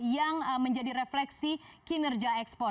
yang menjadi refleksi kinerja ekspor